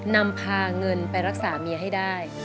นำพาเงินไปรักษาเมียให้ได้